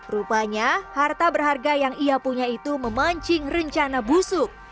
rupanya harta berharga yang ia punya itu memancing rencana busuk